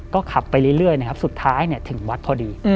ก็ขับไปเรื่อยนะครับสุดท้ายถึงวัดพอดี